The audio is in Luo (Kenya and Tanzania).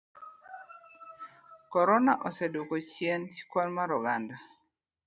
Korona oseduoko chien kwan mar oganda.